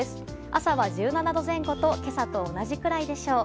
朝は１７度前後と今朝と同じくらいでしょう。